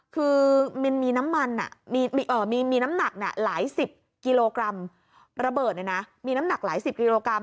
คือมันมีน้ำมันอ่ะมีมีน้ำหนักหลายสิบกิโลกรัมระเบิดเนี่ยนะมีน้ำหนักหลายสิบกิโลกรัม